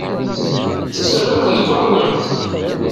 Tettarra-ken deg uɛewwiq.